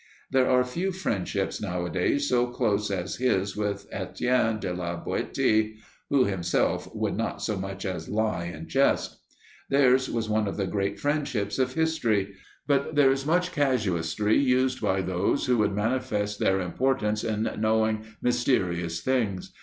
There are few friendships nowadays so close as his with Estienne de la Boëtie (who, himself, "would not so much as lie in jest"); theirs was one of the great friendships of history; but there is much casuistry used by those who would manifest their importance in knowing mysterious things.